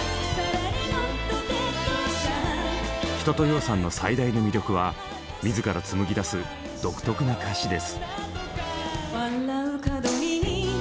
一青窈さんの最大の魅力は自ら紡ぎだす独特な歌詞です。